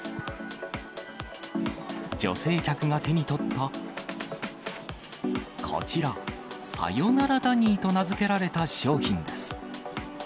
女性客が手に取った、こちら、さよならダニーと名付けられた商品です。